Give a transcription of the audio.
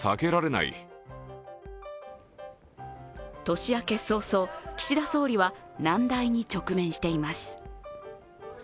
年明け早々、岸田総理は難題に直面しています。